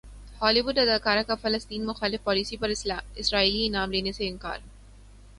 ہالی وڈ اداکارہ کا فلسطین مخالف پالیسی پر اسرائیلی انعام لینے سے انکار